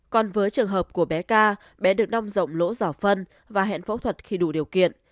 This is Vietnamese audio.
còn với trường hợp của bé ca bé được nong rộng lỗ giỏ phân và hẹn phẫu thuật khi đủ điều kiện